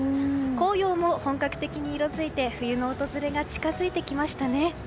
紅葉も本格的に色づいて冬の訪れが近づいてきましたね。